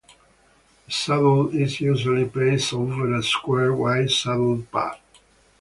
The saddle is usually placed over a square, white saddle pad.